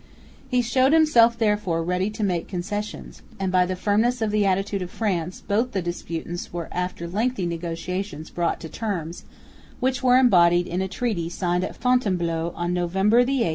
He showed himself therefore ready to make concessions; and by the firmness of the attitude of France both the disputants were after lengthy negotiations brought to terms, which were embodied in a treaty signed at Fontainebleau on November 8,1785.